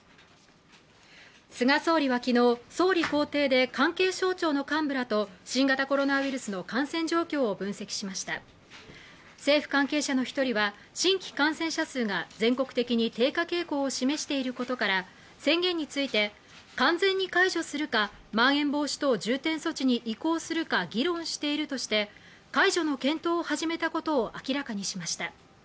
菅総理はきのう総理公邸で関係省庁の幹部らと新型コロナウイルスの感染状況を分析しました政府関係者の一人は新規感染者数が全国的に低下傾向を示していることから宣言について完全に解除するかまん延防止等重点措置に移行するか議論しているとして解除の検討を始めたことを明らかにしました